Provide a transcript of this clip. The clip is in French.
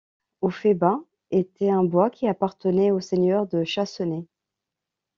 Au Fays-Bas était un bois qui appartenait au seigneur de Chacenay.